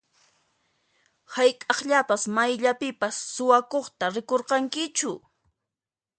Hayk'aqllapas mayllapipas suwakuqta rikurqankichu?